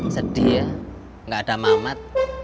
sedih ya nggak ada mamat